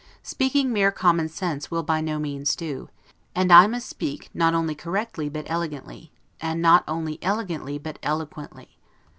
Speaking mere common sense will by no means do; and I must speak not only correctly but elegantly; and not only elegantly but eloquently.